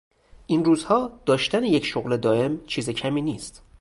این روزها داشتن یک شغل دایم چیز کمی نیست!